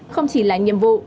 không chỉ là nhiệm vụ